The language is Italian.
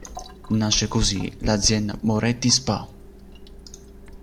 Nasce così l’azienda Moretti Spa.